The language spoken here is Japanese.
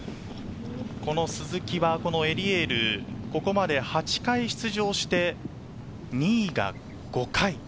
この鈴木はエリエール、ここまで８回出場して、２位が５回。